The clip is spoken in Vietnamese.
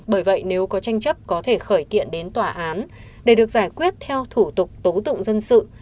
bởi vậy nếu có tranh chấp có thể khởi kiện đến tòa án để được giải quyết theo thủ tục tố tụng dân sự